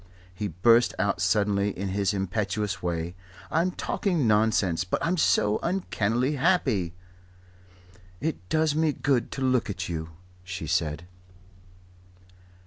he burst out suddenly, in his impetuous way, "I'm talking nonsense; but I'm so uncannily happy!" "It does me good to look at you," she said.